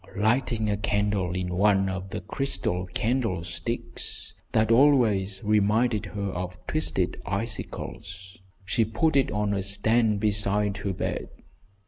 Lighting a candle in one of the crystal candlesticks that always reminded her of twisted icicles, she put it on a stand beside her bed.